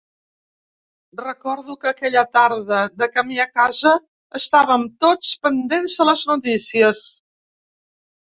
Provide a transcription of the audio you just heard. Recordo que, aquella tarda, de camí a casa, estàvem tots pendents de les notícies.